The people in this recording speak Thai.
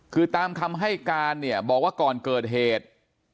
คือตามคำให้การเนี่ยบอกว่าก่อนเกิดเหตุ